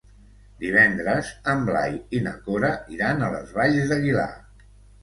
Divendres en Blai i na Cora iran a les Valls d'Aguilar.